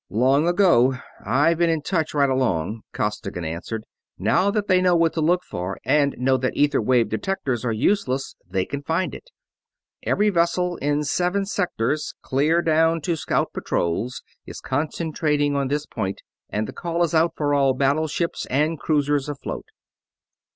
"Long ago I've been in touch right along," Costigan answered. "Now that they know what to look for and know that ether wave detectors are useless, they can find it. Every vessel in seven sectors, clear down to the scout patrols, is concentrating on this point, and the call is out for all battleships and cruisers afloat.